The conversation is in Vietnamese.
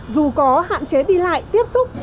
dù có hạn chế đi lại tiếp xúc